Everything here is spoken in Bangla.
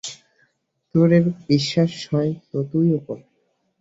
তোর ঐরূপ বিশ্বাস হয় তো তুইও কর।